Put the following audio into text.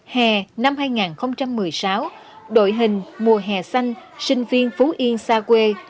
hè năm hai nghìn một mươi sáu đội hình mùa hè xanh sinh viên phú yên xa quê